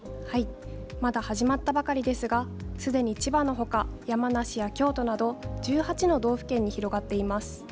まだ始まったばかりですがすでに千葉のほか山梨や京都など１８の道府県に広がっています。